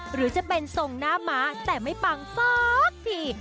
หรือจะเป็นทรงหน้าม้าแต่ไม่ปังสักที